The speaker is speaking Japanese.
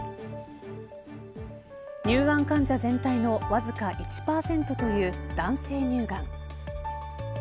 乳がん患者全体のわずか１％という男性乳がん。